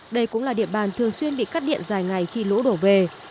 đây cũng là địa bàn thường xuyên bị cắt điện dài ngày khi lũ đổ về